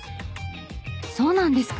「そうなんですか？